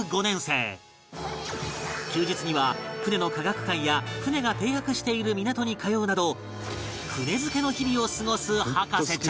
休日には船の科学館や船が停泊している港に通うなど船漬けの日々を過ごす博士ちゃん